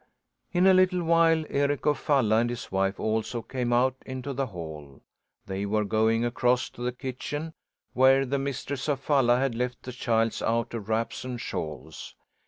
In a little while Eric of Falla and his wife also came out into the hall. They were going across to the kitchen, where the mistress of Falla had left the child's outer wraps and shawls.